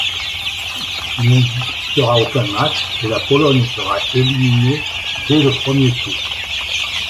Il n'y disputera aucun match et la Pologne sera éliminée dès le premier tour.